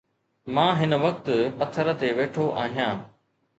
مان هن وقت پٿر تي ويٺو آهيان